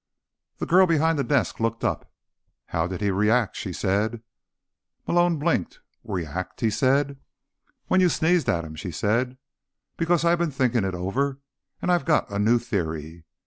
The girl behind the desk looked up. "How did he react?" she said. Malone blinked. "React?" he said. "When you sneezed at him," she said. "Because I've been thinking it over, and I've got a new theory.